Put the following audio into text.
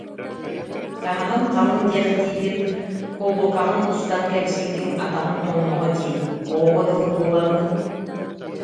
Таҥаһым халыҥ диэхтиигин, куллукаҕын устан кэбиспитиҥ атаҕыҥ тоҥноҕо дии, оҕоҕо дылы буолаҥҥын